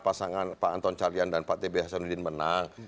pasangan pak anton carlyan dan pak tb hasanuddin menang